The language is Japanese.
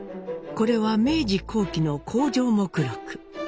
これは明治後期の工場目録。